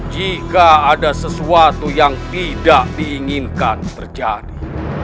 jika ada sesuatu yang tidak diinginkan terjadi